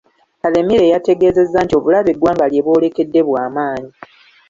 Karemire yategeezezza nti obulabe eggwanga lye bwolekedde bwamaanyi.